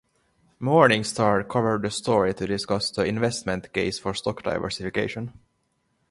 Morningstar covered the story to discuss the investment case for stock diversification.